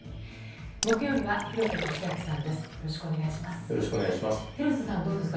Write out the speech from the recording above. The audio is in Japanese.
木曜日は廣瀬俊朗さんです。